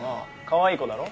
かわいい子だろ。